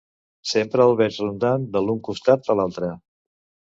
Sempre el veig rodant de l'un costat a l'altre.